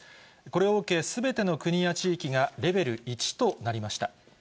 これを受けすべての国や地域がレベル１となりました。